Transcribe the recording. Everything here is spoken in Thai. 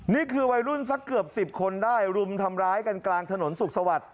นี่คือวัยรุ่นสักเกือบ๑๐คนได้รุมทำร้ายกันกลางถนนสุขสวัสดิ